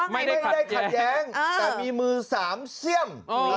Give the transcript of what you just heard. ไม่ได้ขัดแย้งแต่มีมือสามเสี่ยม